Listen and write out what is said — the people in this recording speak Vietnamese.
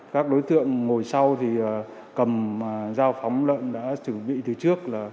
các đối tượng ngồi sau thì cầm dao phóng lợn đã chuẩn bị từ trước là